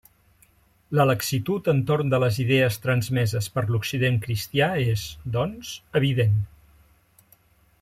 La laxitud entorn de les idees transmeses per l'Occident cristià és, doncs, evident.